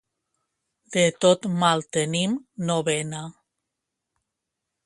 De tot mal tenim novena.